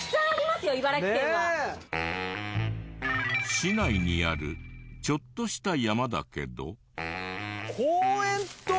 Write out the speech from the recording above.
市内にあるちょっとした山だけど。